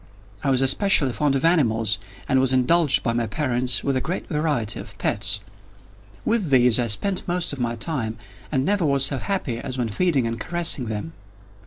I was especially fond of animals, and was indulged by my parents with a great variety of pets. With these I spent most of my time, and never was so happy as when feeding and caressing them.